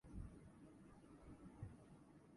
複雑に楽しく、ハイカラにするためにのみ、